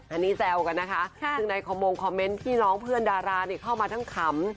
อันนี้แจวกันนะคะคงมงคอมเมนท์ที่น้องเพื่อนดารานี่เข้ามาทั้งคำ